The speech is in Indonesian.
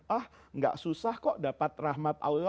ah nggak susah kok dapat rahmat allah